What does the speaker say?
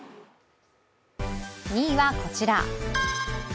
２位はこちら。